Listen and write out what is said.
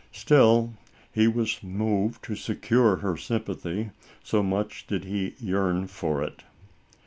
Still, he Was moved to secure her sympathy, so much did he yearn for it.